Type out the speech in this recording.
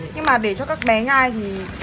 nhưng mà để cho các bé ngai thì